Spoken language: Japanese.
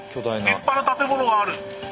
立派な建物がある。